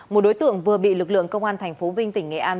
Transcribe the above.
một đối tượng vừa bị lực lượng công an tp vinh tỉnh nghệ an